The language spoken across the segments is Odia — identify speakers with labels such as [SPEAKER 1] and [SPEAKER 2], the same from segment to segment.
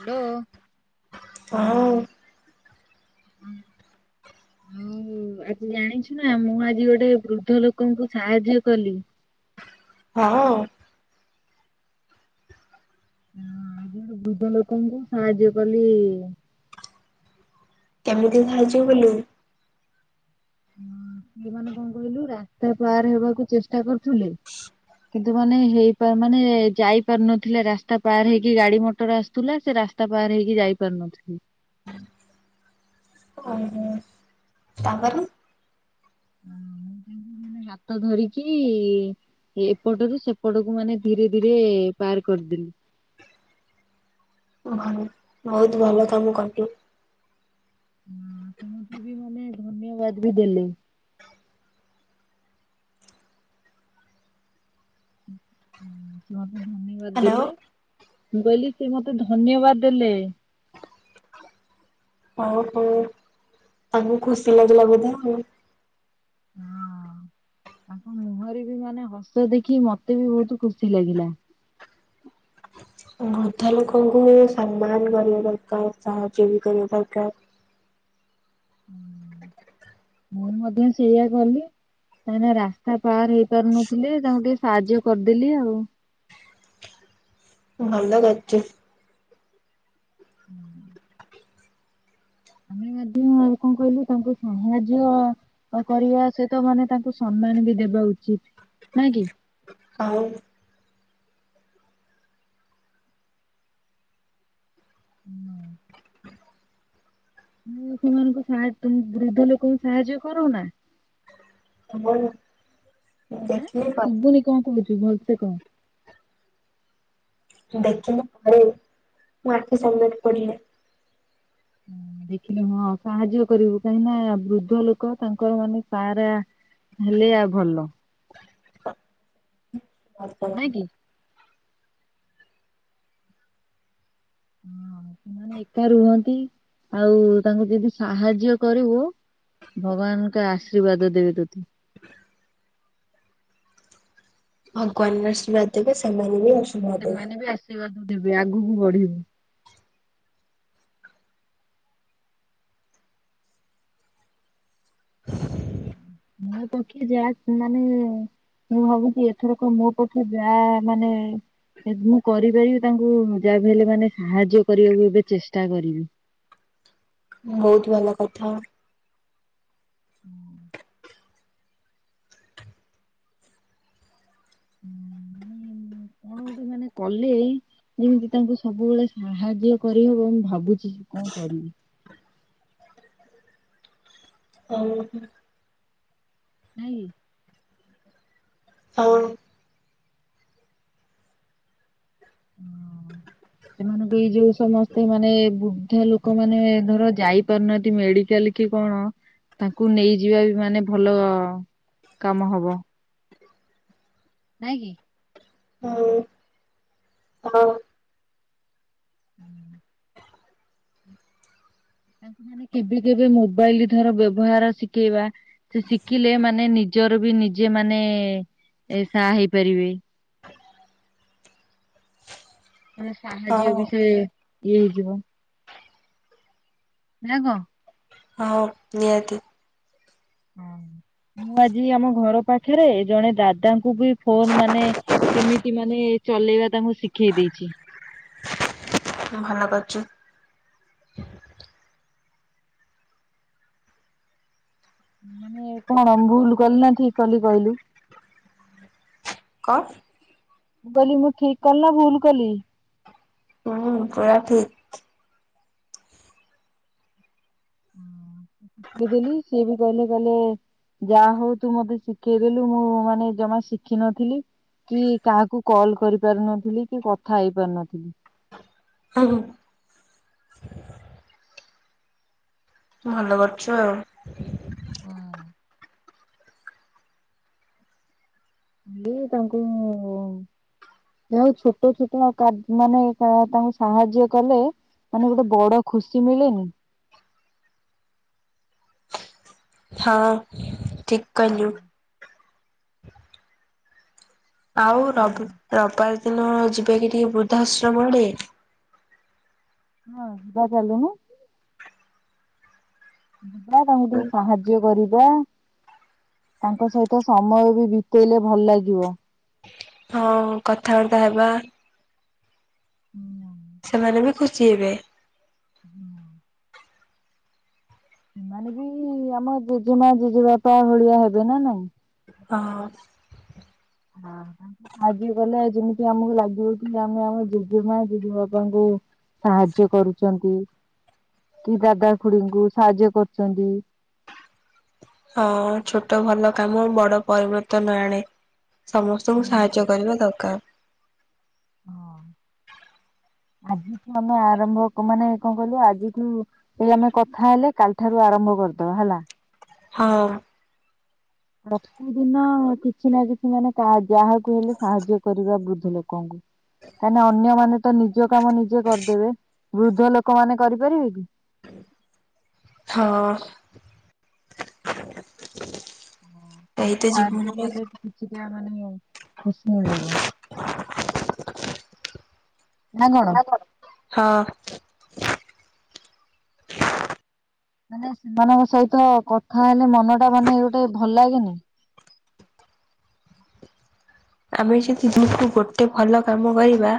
[SPEAKER 1] ହ୍ୟାଲୋ।
[SPEAKER 2] ହଁ।
[SPEAKER 1] ହଉ ଆଜି ଜାଣିଛୁ ନା ମୁଁ ଆଜି ଗୋଟେ ବୃଦ୍ଧ ଲୋକଙ୍କୁ ସାହାଯ୍ୟ କଲି।
[SPEAKER 2] ହଁ।
[SPEAKER 1] ବୃଦ୍ଧ ଲୋକଙ୍କୁ ସାହାଯ୍ୟ କଲି।
[SPEAKER 2] କେମିତି ସାହାଯ୍ୟ କଲୁ?
[SPEAKER 1] ସେମାନେ କଣ କହିଲୁ ରାସ୍ତା ପାର ହେବାକୁ ଚେଷ୍ଟା କରୁଥିଲେ। କିନ୍ତୁ ମାନେ ହେଇ ମାନେ ଯାଇ ପାରୁନଥିଲେ ରାସ୍ତା ପାର ହେଇକି ଗାଡି ମଟର ଆସୁଥିଲା ସେ- ରାସ୍ତା ପାର ହେଇକି ଯାଇପାରୁନଥିଲେ।
[SPEAKER 2] ହଁ। ତାପରେ।
[SPEAKER 1] ହୁଁ ମୁଁ ମ୍ ହାତ ଧରିକି ଏପଟରୁ ସେପଟକୁ ମାନେ ଧୀରେ ଧୀରେ ପାର କରିଦେଲିି।
[SPEAKER 2] ଭଲ ବହୁତ ଭଲ କାମ କଲୁ।
[SPEAKER 1] ହଁ ସେ ମତେ ବି ମାନେ ଧନ୍ୟବାଦ ବି ଦେଲେ। ମତେ ଧନ୍ୟବାଦ
[SPEAKER 2] ହ୍ୟାଲୋ
[SPEAKER 1] ଦେଲେ ମୁଁ କହିଲି ସେ ମତେ ଧନ୍ୟବାଦ ଦେଲେ।
[SPEAKER 2] ଓହୋ ତାକୁ ଖୁସି ଲାଗିଲା ବୋଧେ ଆଉ।
[SPEAKER 1] ହଁ। ତାଙ୍କ ମୁହଁରେ ବି ମାନେ ହସ ଦେଖି ମତେ ବି ବହୁତ ଖୁସି ଲାଗିଲା।
[SPEAKER 2] ବୃଦ୍ଧା ଲୋକଙ୍କୁ ସମ୍ମାନ କରିବା ଦରକାର ସହଯୋଗ କରିବା ଦରକାର।
[SPEAKER 1] ମୁଁ ମଧ୍ୟ ସେଇଆ କଲି। ସେମାନେ ରାସ୍ତା ପାହାର ହେଇ ପାରୁନଥିଲେ ତାଙ୍କୁ ଟିକେ ସାହାଯ୍ୟ କରିଦେଲି ଆଉ।
[SPEAKER 2] ଭଲ କରଚୁ।
[SPEAKER 1] ହୁଁ। ଆମେ ଧ୍ୟ ଆଉ କଣ କହିଲୁ ତାଙ୍କୁ ସାହାଯ୍ୟ କରିବା ସହିତ ମାନେ ତାଙ୍କୁ ସମ୍ମାନ ବି ଦେବେ ବା ଉଚିତ ନାଇଁ କି?
[SPEAKER 2] ଆଉ
[SPEAKER 1] ହୁଁ। ମୁଁ ସେମାନଙ୍କୁ ସାହା ତମେ ବୃଦ୍ଧ ଲୋକଙ୍କୁ ସାହାଯ୍ୟ କରୁନା?
[SPEAKER 2] ଆମର
[SPEAKER 1] ହଁ
[SPEAKER 2] ଦେଖିଲି ପରେ
[SPEAKER 1] ଶୁଭୁନି କଣ କହୁଛୁ ଭଲସେ କହ।
[SPEAKER 2] ଦେଖିିଲା ପରେ ମୋ ଆଖି ସାମ୍ନାରେ ପଡ଼ିଲା।
[SPEAKER 1] ଦେଖିଲେ ହଁ ସାହାଯ୍ୟ କରିବୁ କାହିଁକି ନା ବୃଦ୍ଧ ଲୋକ ତାଙ୍କର ମାନେ ସାହାରା- ହେଲେ ଆ ଭଲ।
[SPEAKER 2] ଆ [unintelligible]
[SPEAKER 1] ନାଇଁ କି? ହଁ ସେମାନେ ଏକା ରୁହନ୍ତି। ଆଉ ତାଙ୍କୁ ଯଦି ସାହାଯ୍ୟ କରିବୁ ଭଗବାନଙ୍କ ଆଶୀର୍ବାଦ ଦେବେ ତୋତେ।
[SPEAKER 2] ଭଗବାନ ବି ଆଶୀର୍ବାଦ ଦେବେ ସେମାନେ ବି ଆଶି-
[SPEAKER 1] ସେମାନେ ବି ଆଶୀର୍ବାଦ ଦେବେ ଆଗକୁ ବଢିବୁ। ମୁଁ ତ କି ଯାଏ ସେମାନେ - ମୁଁ ଭାବୁଛି ଏଥରକ ମୋ ପଛୁ ଯା ମାନେ- ମୁଁ କରିପାରିବି ତାଙ୍କୁ ଯାହାକୁ ହେଲେ ମାନେ ସାହାଯ୍ୟ କରିବାକୁ ଏବେ ଚେଷ୍ଟା କରିବି। [inaudible]
[SPEAKER 2] ବହୁତ ଭଲ କଥା।
[SPEAKER 1] [inaudible] ମାନେ କଣ ଗୋଟେ ମାନେ କଲି। ଯେମିତି ତାଙ୍କୁ ସବୁବେଳେ ସାହାଯ୍ୟ କରିହବ ମୁଁ ଭାବୁଛି କଣ କରିବି। [inaudible]
[SPEAKER 2] ଓ
[SPEAKER 1] ନାଇଁ
[SPEAKER 2] ହଁ।
[SPEAKER 1] ହଁ। ସେମାନଙ୍କୁ ଏଇ ଯୋଉ ସମସ୍ତେ ମାନେ ବୃଦ୍ଧା ଲୋକ ମାନେ ଧର ଯାଇପାରୁନାହାନ୍ତି ମେଡି କାଲ କି କଣ ତାଙ୍କୁ ନେଇଯିବା ବି ମାନେ ଭଲ କାମ ହବ ନାଇଁ କି?
[SPEAKER 2] ଆଉ ଆଉ।
[SPEAKER 1] ହୁଁ ତାଙ୍କୁ ମାନେ କେବେ କେବେ ମୋବାଇଲ ଧର ବ୍ୟବହାର ଶିଖେଇବା ସେ ଶିଖିଲେ ମାନେ ନିଯେ ନିଜର ବି ନିଜେ ମାନେ ଏ ସା ହେଇପାରିବେ ମାନେ ସାହାଯ୍ୟ
[SPEAKER 2] ହଁ
[SPEAKER 1] ବି ସେ ଇଏ ହେଇଯିବ ନା କଣ?
[SPEAKER 2] ହଁ ନିହାତି।
[SPEAKER 1] ହଁ। ମୁଁ ଆଜି ଆମ ଘର ପାଖରେ ଜଣେ ଦାଦାଙ୍କୁ ବି ଫୋନ ମାନେ କେମିତି ମାନେ ମାନେ ଚଲେଇବା ଟା ମୁଁ ଶିଖେଇ ଦେଇେଇଚି।
[SPEAKER 2] ହଁ ଭଲ କରିଚୁ।
[SPEAKER 1] ମାନେ କଣ ଭୁଲ କଲି ନା ଠିକ କଲି କହିଲୁ?
[SPEAKER 2] କଣ?
[SPEAKER 1] କହିଲି ମୁଁ ଠିକ କଲି ନା ଭୁଲ କଲି?
[SPEAKER 2] ହୁଁ ପୁରା ଠିକ
[SPEAKER 1] ଦେଇ ଦେଲି ସିଏ ବି କହଲେ କଲେ ଯାହା ହଉ ତୁ ମତେ ଶିଖେଇଦେଲୁ ମୁଁ ମାନେ ଜମା ଶିଖିନଥିଲି। କି କାହାକୁ କଲ କରି ପାରୁନଥିଲି କି କଥା ହେଇ ପାରୁନଥିଲି।
[SPEAKER 2] ହ ହ। ଭଲ କରଚୁ ଆଉ
[SPEAKER 1] ହେଲେ ଇଏ ତାଙ୍କୁ ଯାହଉ ଛୋଟ ଛୋଟ କଦ୍ ମାନେ କ ତାଙ୍କୁ ସାହାଯ୍ୟ କଲେ ମାନେ ଗୋଟେ ବଡ ଖୁସି ମିଳେନି?
[SPEAKER 2] ହଁ ଠିକ୍ କହିଲୁ
[SPEAKER 1] ହଁ
[SPEAKER 2] ଆଉ ରବି ରବବାରେ ଦିନ ଯିବା କି ଟିକେ ବୃଦ୍ଧାଶ୍ରମ ଆଡେ?
[SPEAKER 1] ହଁ ଜିବା ଚାଲୁନୁ। ଯିବା ତାଙ୍କୁ ଟିକେ ସାହାଯ୍ୟ କରିବା ତାଙ୍କ ସହିତ ସମୟ ବି ବିତେଇଲେ ଭଲ ଲାଗିବ
[SPEAKER 2] ହଁ କଥାବାର୍ତ୍ତା ହେବା
[SPEAKER 1] [unintelligible]
[SPEAKER 2] ଯାହା ହେଲେ ବି ଖୁସି ହେବେ
[SPEAKER 1] ସେମାନେେ ବି ଆମ ଜେଜେମା ଜେଜେବାପା ଭଳିଆ ହେବେ ନା ନାଇଁ?
[SPEAKER 2] ହଁ।
[SPEAKER 1] ହ ଆଜି ଗଲେ ଯେମିତି ଆମକୁ ଲାଗିବକି ଆମେ ଆମ ଜେଜେମା ଜେଜେ ବାପାଙ୍କୁ ସାହାଯ୍ୟ କରୁଚନ୍ତି କି ଦାଦା ଖୁଡିଙ୍କୁ ସାହାଯ୍ୟ କରୁଚନ୍ତି
[SPEAKER 2] ହଁ ଛୋଟ ଭଲ କାମ ବଡ ପରିବର୍ତ୍ତନ ଆଣେ। ସମସ୍ତଙ୍କୁ ସାହାଯ୍ୟ କରିବା ଦରକାର୍।
[SPEAKER 1] ହଁ। ଆଜିଠୁ ଆମେ ଆରମ୍ଭ କ ମାନେ କଣ କହିଲୁ ଆଜିଠୁ ଏଇ ଆମେ କଥା ହେଲେ କାଲିଠାରୁ ଆରମ୍ଭ କରିଦବା ହେଲା।
[SPEAKER 2] ହଁ।
[SPEAKER 1] ପ୍ରତିଦିନ କିଛି ନା କିଛି ମାନେ କାହା ଯାହାକୁ ହେଲେ ସାହାଯ୍ୟ କରିବା ବୃଦ୍ ଲୋକଙ୍କୁ କାହିଁନା ଅନ୍ୟମାନେ ତ ନିଜ କାମ ନିଜେ କରିଦେବେ। ବୃଦ୍ଧ ଲୋକମାନେ କରିପାରିବେ କି?
[SPEAKER 2] ହଁ। [inaudible]
[SPEAKER 1] ହଁ
[SPEAKER 2] ଏଇତ
[SPEAKER 1] ତାଙ୍କୁ ସାହାଯ୍ୟ
[SPEAKER 2] ଜୀବନରେ
[SPEAKER 1] କଲେ କିଛିଟା ମାନେ ଖୁସ୍ ନ ଳିବ [inaudible]
[SPEAKER 2] ନା କଣ ହଁ।
[SPEAKER 1] ମାନେ ସେମାନଙ୍କ ସହିତ କଥା ହେଲେ ମନ ଟା ମାନେ ଗୋଟେ ଭଲ ଲାଗେନି?
[SPEAKER 2] ଆମେ ଯଦି ଦିନ୍ କୁ ଗୋଟେ ଭଲ କାମ କରିବା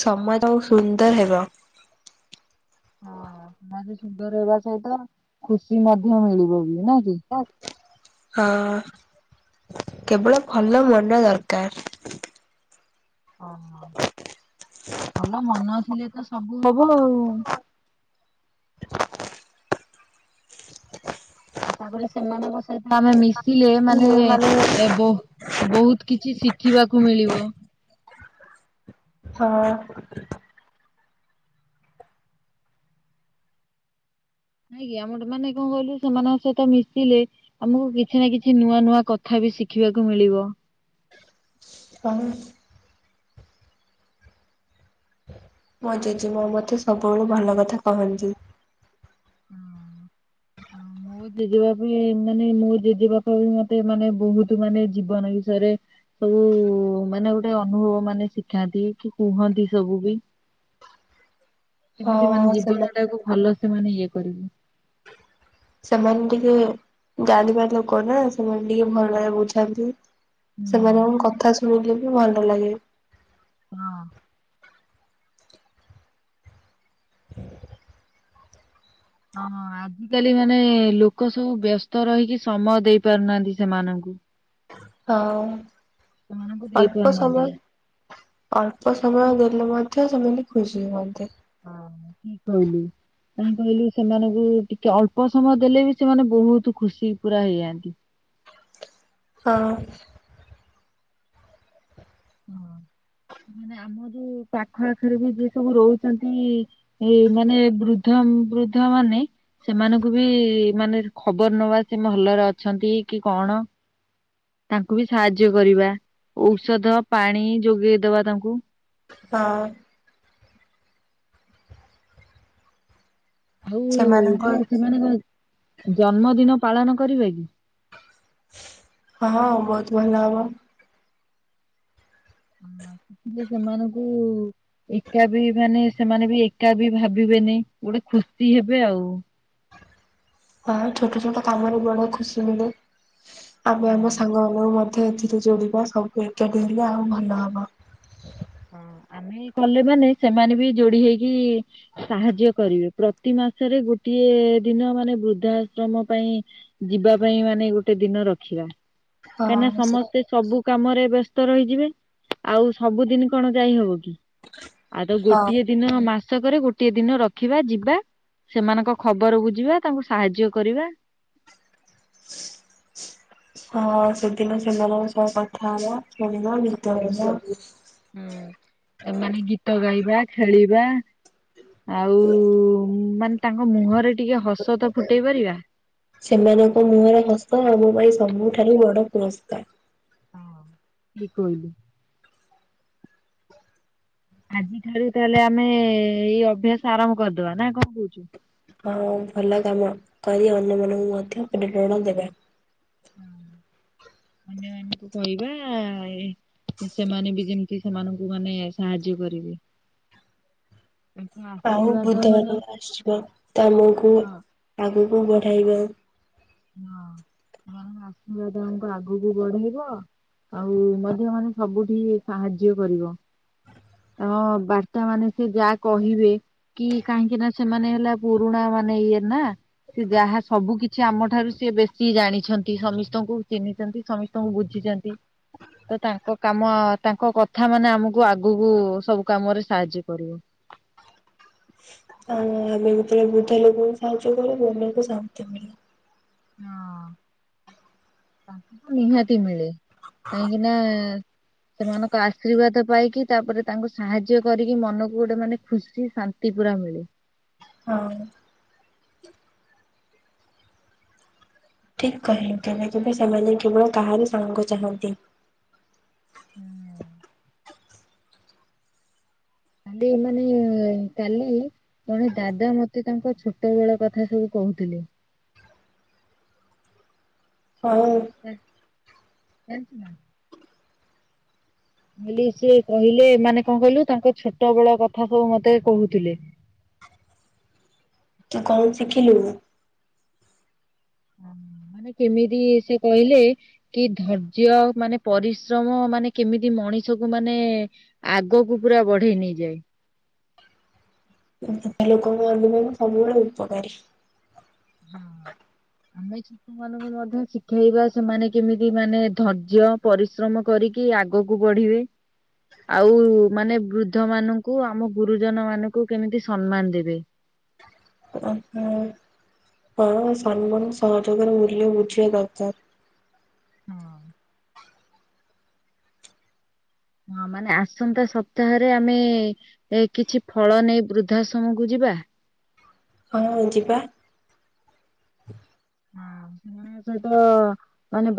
[SPEAKER 2] ସମୟଟା ଆଉ ସୁନ୍ଦର ହେବ।
[SPEAKER 1] ହଁ ସମାଜ ସୁନ୍ଦର ହେବା ସହିତ ଖୁସି ମଧ୍ୟ ମିଳିବ ବି। ନା କି?
[SPEAKER 2] ଓ [inaudible] ହଁ କେବଳ ଭଲ ମନ ଦରକାର।
[SPEAKER 1] ଅହ ଭଲ ମନ ଥିଲେ ତ ସବୁ ହବ ଆଉ। ଆଉ ତାପରେ ସେମାନଙ୍କ ସହିତ ଆମେ ମିଶିଲେ ମାନେ ଏ ବହୁ ବହୁତ କି ଛି ଶିଖିବାକୁ ମିଳିବ।
[SPEAKER 2] ହଁ।
[SPEAKER 1] ନାଇଁ କି? ଆମର ମାନେ କଣ କହିଲୁ ସେମାନଙ୍କ ସହିତ ମିଶିଲେ ଆମକୁ କିଛି ନା କିଛି ନୂଆ ନୂଆ କଥା ବି ଶିଖିବାକୁ ମିଳିବ।
[SPEAKER 2] କଣ? ମୋ ଜେଜମା ମତେ ସବୁବେଳେୁ ଭଲ କଥା କହନ୍ତି।
[SPEAKER 1] ମୋ ଜେଜେବାପ ବି ମାନେ ମୋ ଜେଜେବାପ ବି ମତେ ମାନେ ବହୁତ ମାନେ ଜୀବନ ବିଷୟରେ ସବୁ ଉ ମାନେ ଗୋଟେ ଅନୁଭବ ମାନେ ଶିଖାନ୍ତି କି କୁହନ୍ତି ସବୁ ବି। କେମିତି ମାନେ
[SPEAKER 2] ହଁ
[SPEAKER 1] ଜୀବନ
[SPEAKER 2] ସେମାନେ
[SPEAKER 1] ଟାକୁ ଭଲ ସେ ମାନେ ଇଏ କରିବ।
[SPEAKER 2] ସେମାନେ ଟିକେ ଜାଣିବା ଲୋକ ନା ସେମାନେ ଟିକେ ଭଲରେ ବୁଝାନ୍ତି।
[SPEAKER 1] ହୁଁ
[SPEAKER 2] ସେମାନଙ୍କ କଥା ଶୁଣିଲେ ବି ଭଲ ଲାଗେ।
[SPEAKER 1] ହଁ।
[SPEAKER 2] [unintelligible]
[SPEAKER 1] ହଁ ଆଜିକାଲି ମାନେ ଲୋକ ସବୁ ବ୍ୟସ୍ତ ରହିକି ସମୟ ଦେଇ ପାରୁନାହାନ୍ତି ସେମାନଙ୍କୁ। [unintelligible]
[SPEAKER 2] ହଁ
[SPEAKER 1] ସେମାନଙ୍କୁ ଦେଇ
[SPEAKER 2] ଅଳ୍ପ
[SPEAKER 1] ପାରୁନାହାନ୍ତି
[SPEAKER 2] ସମୟେ ଅଳ୍ପ ସମୟ ହେଲେ ମଧ୍ୟ ସେମାନେ ଖୁସି ହୁଅନ୍ତେ।
[SPEAKER 1] ହଁ ଠିକ୍ କହିଲେ। କାହିଁକି କହିଲେ ସେମାନଙ୍କୁ ଟିକେ ଅଳ୍ପ ସମୟ ଦେଲେ ବି ସେମାନେ ବହୁତ୍ ଖୁସି ପୁରା ହେଇଯାଆନ୍ତି। [inaudible]
[SPEAKER 2] ହଁ।
[SPEAKER 1] ହଁ। ମାନେ ଆମ ଯୋଉ ପାଖ ଆଖରେ ବି ଯିଏ ସବୁ ରହୁଛନ୍ତି। ଇ ଇ ମାନେ ବୃଦ୍ଧ ଉଁ ବୃଦ୍ଧ ମାନେ ସେମାନଙ୍କୁ ବି ମାନେ ଖବର ନବା ଯେ ସେ ଭଲରେ ଅଛନ୍ତି କି କଣ? ତାଙ୍କୁ ବି ସାହାଯ୍ୟ କରିବା। ଔଷଧ ପାଣି ଯୋଗେଇ ଦବ ତାଙ୍କୁ।
[SPEAKER 2] ହଁ।
[SPEAKER 1] ଆଉ
[SPEAKER 2] ସେମାନଙ୍କ
[SPEAKER 1] ଯୋଉ ସେମାନଙ୍କ ଜନ୍ମଦିନ ପାଳନ କରିବା କି?
[SPEAKER 2] ହଁ ବହୁତ୍ ଭଲ ହେବ।
[SPEAKER 1] ହଁ। ଯେ ସେମାନଙ୍କୁ ଏକା ବି ମାନେ ସେମାନେ ବି ଏକା ବି ଭାବିବେନି। ଗୋଟେ ଖୁସି ହେବେ ଆଉ।
[SPEAKER 2] ହଁ ଛୋଟ ଛୋଟ କାମରେ ବଡ଼ ଖୁସି ମିଳେ ଆମେ ଆମ ସାଙ୍ଗମାନଙ୍କୁ ମ ଧ୍ୟ ଏଥିରେ ଯୋଡିବା ସବୁ ଏକାଠି ହେଲେ ଆହୁରି ଭଲ ହବ।
[SPEAKER 1] ହଁ ଆମେ କଲେ ମାନେ ସେମାନେ ବି ଯୋଡି ହେଇକି ସାହାଯ୍ୟ କରିବେ ପ୍ରତି ମା ମାସରେ ଗୋଟିଏ ଦିନ ମାନେ ବୃଦ୍ଧାଶ୍ରମ ପାଇଁ ଯିବା ପାଇଁ ମାନେ ଗୋଟେ ଦିନ ରଖିବା। କାହିଁକି ନା
[SPEAKER 2] ହଁ ସେ
[SPEAKER 1] ସମସ୍ତେ ସବୁ କାମରେ ବ୍ୟସ୍ତ ରହିଯିବେ ଆଉ ସବୁଦିନ କଣ ଯାଇ ହବ କି ଆଉ ତ
[SPEAKER 2] ହଁ।
[SPEAKER 1] ଗୋଟିଏ ଦିନ ମାସକରେ ଗୋଟିଏ ଦିନ ରଖିବା ଯିବା ସେମାନଙ୍କ ଖବର ବୁଝିବା ତାଙ୍କୁ ସାହାଯ୍ୟ କରିବା।
[SPEAKER 2] ହଁ ସେଦିନ ସେମାନଙ୍କ ସହ କଥା ହବା ଖେଳିବା ଗୀତ ଗାଇବା।
[SPEAKER 1] ହୁଁ ଏମାନେ ଗୀତ ଗାଇବା ଖେଳିବା। ଆଉ ମାନେ ତାଙ୍କ ମୁହଁରେ ଟିକିଏ ହସ ତ ଫୁଟେଇ ପାରିବା।
[SPEAKER 2] ସେମାନଙ୍କ ମୁହଁରେ ହସ ଆମ ପାଇଁ ସବୁଠାରୁ ବଡ଼ ପୁରସ୍କାର।
[SPEAKER 1] [unintelligible] ଆଜିଠାରୁ ତାହେଲେ ଆମେ ଏଇ ଅଭ୍ୟାସ ଆରମ୍ଭ କରିଦବା ନା କଣ କହୁଛୁ।
[SPEAKER 2] ହଁ ଭଲ କାମ କରି ଅନ୍ୟମାନଙ୍କୁ ମଧ୍ୟ ପ୍ରେରଣା ଦେବା
[SPEAKER 1] [unintelligible] ସେମାନେ ବି ଯେମିତି ସେମାନଙ୍କୁ ମାନେ ସାହାଯ୍ୟ କରିବେ। ତାଙ୍କ ଆଶୀର୍ବାଦ ମାନେ
[SPEAKER 2] [unintelligible]
[SPEAKER 1] ହଁ
[SPEAKER 2] [unintelligible]
[SPEAKER 1] [unintelligible] ଆଉ ମଧ୍ୟ ମାନେ ସବୁଠି ସାହାଯ୍ୟ କରିବ। ତ ବାର୍ତ୍ତା ମାନେ ସେ ଯାହା କହିବେ। କି କାହିଁକି ନା ସେମାନେ ହେଲା ପୁରୁଣା ମାନେ ଇଏ ନା ସେ ଯାହା ସବୁ କିଛି ଆମ ଠାରୁ ସେ ବେଶୀ ଜାଣିଛନ୍ତି ସମିସ୍ତଙ୍କୁ ଚିହ୍ନିଚନ୍ତି, ସମିସ୍ତଙ୍କୁ ବୁଝିଛନ୍ତି। ତ ତାଙ୍କ କାମ ତାଙ୍କ କଥା ମାନେ ଆମକୁ ଆଗକୁ ସବୁ କାମରେ ସାହାଯ୍ୟ କରିବ। [inaudible]
[SPEAKER 2] [inaudible]
[SPEAKER 1] ହଁ ତା ନିହାତି ମିଳେ କାହିଁକି ନା ସେମାନଙ୍କ ଆଶୀର୍ବାଦ ପାଇକି ତାପରେ ତାଙ୍କୁ ସାହାଯ୍ୟ କରିକି ମନକୁ ଗୋଟେ ମାନେ ଖୁସି ଶାନ୍ତି ପୁରା ମିଳେ
[SPEAKER 2] ହଁ ଠିକ କହିଲ ନା ତବେ ସେମାନେ କେବଳ କାହାରି ସାଙ୍ଗକୁ ଚାହାନ୍ତି
[SPEAKER 1] କାଲି ମାନେ କାଲି ଜଣେ ଦାଦା ମତେ ତାଙ୍କ ଛୋଟ ବେଳ କଥା ସବୁ କହୁ କହୁଥିଲେ,
[SPEAKER 2] ହଉ,
[SPEAKER 1] [unintelligible] ବୋଲି ସେ କହିଲେ ମାନେ କଣ କହିଲୁ ତାଙ୍କ ଛୋଟ ବେଳ କଥା ସବୁ ମତେ କହୁଥିଲେ
[SPEAKER 2] ତୁ କଣ ଶିଖିଲୁ?
[SPEAKER 1] କେମିତି ସେ କହିଲେ କି ଧୈର୍ଯ୍ୟ ମାନେ ପରିଶ୍ରମ ମାନେ କେମିତି ମଣିଷକୁ ମାନେ ଆଗକୁ ପୁରା ବଢେଇ ନେଇଯାଏ।
[SPEAKER 2] ଲୋକଙ୍କ ଆମ ସବୁବେଳେ ଉପକାରୀ
[SPEAKER 1] ଆମ ଛୁଆ ମାନଙ୍କୁ ମଧ୍ୟ ଶିଖେଇବା ସେମାନେ କେମିତି ମାନେ ଧର୍ଯ୍ୟ ପରିଶ୍ରମ କରି କି ଆଗକୁ ବଢିବେ ଆଉ ମାନେ ବୃଦ୍ଧ ମାନଙ୍କୁ ଆମ ଗୁରୁଜନ ମାନଙ୍କୁ କେମିତି ସମ୍ମାନ ଦେବେ।
[SPEAKER 2] ଓ ହୋ। ହଁ ସମ୍ମାନ ସହଯୋଗରେ ମୂଲ୍ୟ ବୁଝିବା ଦରକାର।
[SPEAKER 1] ହଁ ହଁ ମାନେ ଆସନ୍ତା ସପ୍ତାହରେ ଆମେ କିଛି ଫଳ ନେଇ ବୃଦ୍ଧାଶ୍ରମକୁ ଯି ବା
[SPEAKER 2] ହଁ ଯିବା।
[SPEAKER 1] ହଁ ସେମାନଙ୍କ ସହିତ ମାନେ